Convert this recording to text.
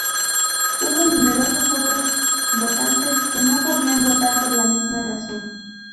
Hubo numerosos otros votantes que no podían votar por la misma razón.